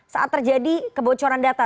saat terjadi kebocoran data